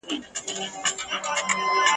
له لیري ولاتونو دي پانوس ته یم راغلی ..